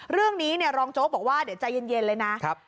เรื่องนี้รองโจ๊กบอกว่าเดี๋ยวใจเย็นเลยนะ